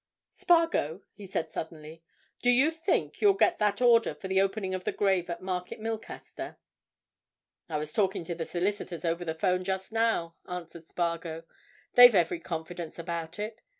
"Spargo," he said, suddenly, "do you think you'll get that order for the opening of the grave at Market Milcaster?" "I was talking to the solicitors over the 'phone just now," answered Spargo. "They've every confidence about it.